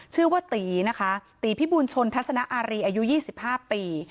ชื่อว่าตีนะคะตีพิบูลชนทัศนอารีอายุ๒๕ปี